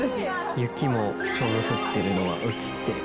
雪もちょうど降ってるのが写ってる。